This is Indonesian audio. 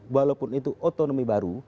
walaupun itu otonomi baru